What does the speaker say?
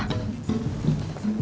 yang makan amin juga